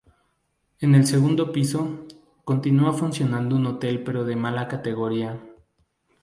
En el segundo piso, continúa funcionando un hotel pero de mala categoría.